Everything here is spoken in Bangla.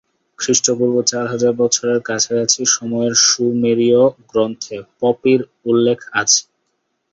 খ্রিস্টপূর্ব চার হাজার বছরের কাছাকাছি সময়ের সুমেরীয় গ্রন্থে পপির উল্লেখ আছে।